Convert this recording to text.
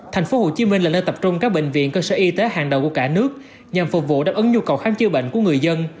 tp hcm là nơi tập trung các bệnh viện cơ sở y tế hàng đầu của cả nước nhằm phục vụ đáp ứng nhu cầu khám chữa bệnh của người dân